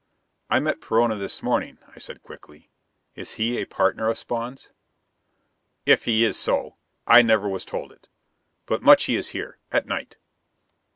"I met Perona this morning," I said quickly. "Is he a partner of Spawn's?" "If he is so, I never was told it. But much he is here at night."